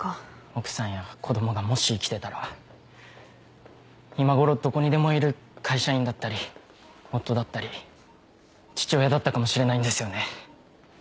奥さんや子供がもし生きてたら今ごろどこにでもいる会社員だったり夫だったり父親だったかもしれないんですよね。